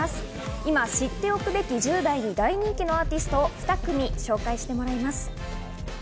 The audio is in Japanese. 今、知っておくべき１０代に大人気のアーティスト２組紹介してもらいます。